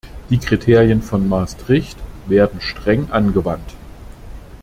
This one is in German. Die Kriterien von Maastricht werden streng angewandt.